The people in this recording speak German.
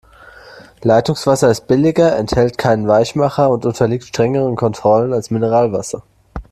Leitungswasser ist billiger, enthält keinen Weichmacher und unterliegt strengeren Kontrollen als Mineralwasser.